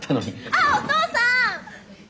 ああお父さん！